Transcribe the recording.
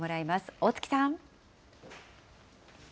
大槻さん。